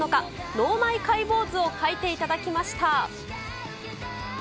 脳内解剖図を描いていただきました。